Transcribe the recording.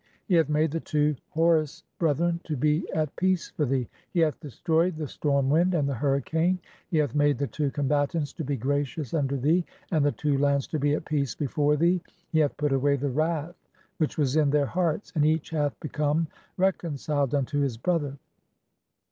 He hath made the two Horus 344 THE CHAPTERS OF COMING FORTH BY DAY. "brethren to be at peace for thee ; he hath destroyed the storm "wind and the hurricane ; he hath made the two Combatants "to be gracious unto thee and the two lands to be (12) at peace "before thee ; he hath put away the wrath which was in their "hearts, and each hath become reconciled unto his brother.